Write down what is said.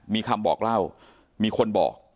มีคำบอกเล่ามีคนบอก